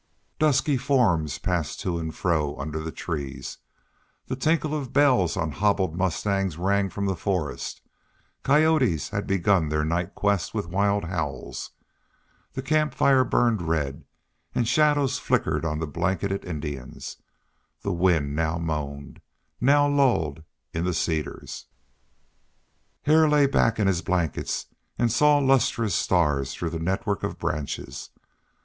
Dusky forms passed to and fro under the trees; the tinkle of bells on hobbled mustangs rang from the forest; coyotes had begun their night quest with wild howls; the camp fire burned red, and shadows flickered on the blanketed Indians; the wind now moaned, now lulled in the cedars. Hare lay back in his blankets and saw lustrous stars through the network of branches.